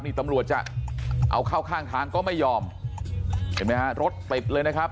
นี่ตำรวจจะเอาเข้าข้างทางก็ไม่ยอมเห็นไหมฮะรถติดเลยนะครับ